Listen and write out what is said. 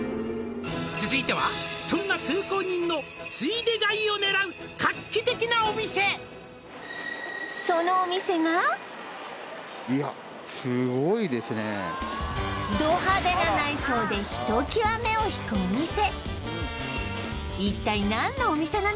「続いてはそんな通行人のついで買いを狙う」「画期的なお店」でひときわ目を引くお店